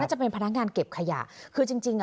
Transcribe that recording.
จะเป็นพนักงานเก็บขยะคือจริงจริงอ่ะ